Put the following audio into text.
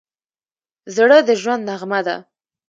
زړه د ژوند نغمه ده.